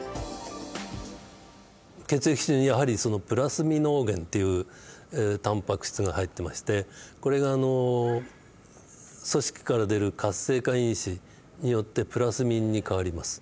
血液中にやはりそのプラスミノゲンっていうタンパク質が入ってましてこれが組織から出る活性化因子によってプラスミンに変わります。